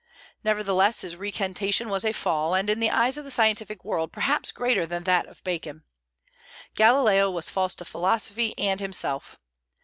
Nevertheless, his recantation was a fall, and in the eyes of the scientific world perhaps greater than that of Bacon. Galileo was false to philosophy and himself.